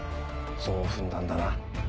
そう踏んだんだな？